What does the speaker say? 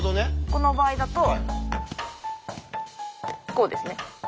この場合だとこうですね。